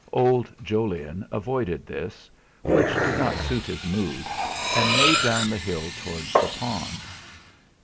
Old Jolyon avoided this, which did not suit his mood, and made down the hill towards the pond.